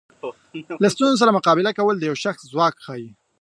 له ستونزو سره مقابله کول د یو شخص ځواک ښیي.